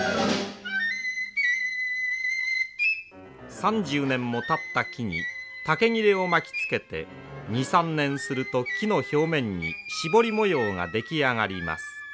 ３０年もたった木に竹切れを巻きつけて２３年すると木の表面にしぼり模様が出来上がります。